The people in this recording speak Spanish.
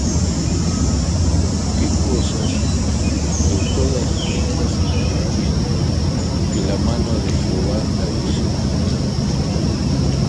¿Qué cosa de todas estas no entiende Que la mano de Jehová la hizo?